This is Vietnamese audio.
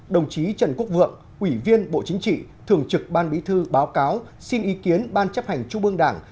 đồng chí trần quốc vượng ủy viên bộ chính trị thường trực ban bí thư báo cáo xin ý kiến ban chấp hành trung ương đảng